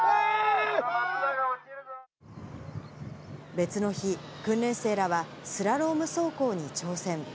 別の日、訓練生らはスラローム走行に挑戦。